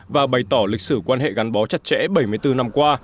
và bày tỏ lịch sử quan hệ gắn bó chặt chẽ bảy mươi bốn năm qua